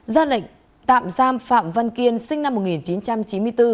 ra lệnh tạm giam phạm văn kiên sinh năm một nghìn chín trăm chín mươi bốn